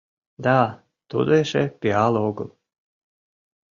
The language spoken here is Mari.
Да, тудо эше пиал огыл!